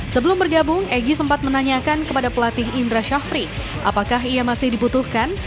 sebelum bergabung egy sempat menanyakan kepada pelatih indra syafri apakah ia masih dibutuhkan